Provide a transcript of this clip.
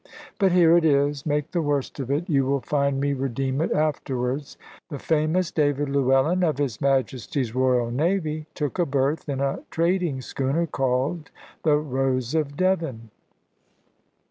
But here it is. Make the worst of it. You will find me redeem it afterwards. The famous David Llewellyn, of His Majesty's Royal Navy, took a berth in a trading schooner, called the "Rose of Devon!"